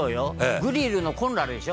「グリルのコンロあるでしょ。